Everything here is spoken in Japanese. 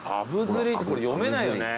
鐙摺ってこれ読めないよね。